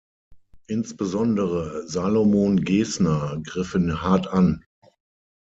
Insbesondere Salomon Gesner griff ihn hart an.